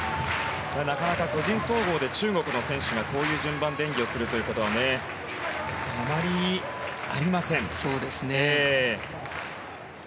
なかなか個人総合で中国の選手がこういう順番で演技をするということはあまりありません。